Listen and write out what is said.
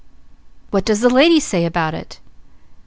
"What does the lady say about it?"